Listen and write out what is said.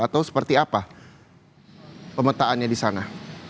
atau seperti apa pemetaannya di sana